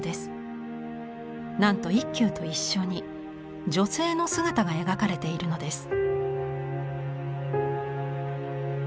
なんと一休と一緒に女性の姿が描かれているのです。